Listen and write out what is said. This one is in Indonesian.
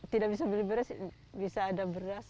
tidak bisa beli beras bisa ada beras